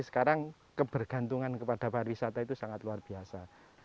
sekarang kebergantungan kepada pariwisata itu sangat luar biasa